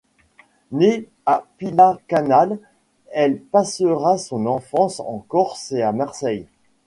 Née à Pila-Canale, elle passera son enfance en Corse et à Marseille.